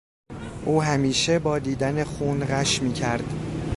او همیشه با دیدن خون غش میکرد.